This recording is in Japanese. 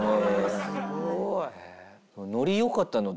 すごい。